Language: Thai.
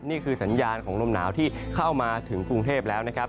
นี่คือสัญญาณของลมหนาวที่เข้ามาถึงกรุงเทพแล้วนะครับ